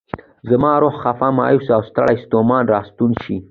زما روح خفه، مایوس او ستړی ستومان راستون شي.